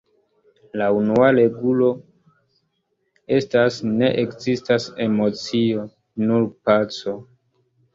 La unua regulo estas: "Ne ekzistas emocio; nur paco".